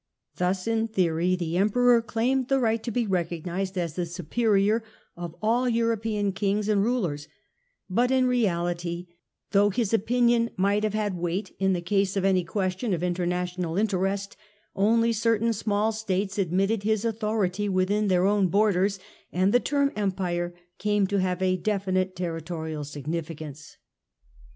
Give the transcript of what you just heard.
Thus in theory the Emperor claimed the right to be recognised as the superior of all European kings and rulers, but in reality, though his opinion might have had weight in the case of any question of international interest, only certain small States admitted his authority within their own borders, and the term Empire came to have a definite territorial significance.